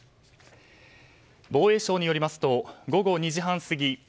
防衛省によりますと午後２時半過ぎ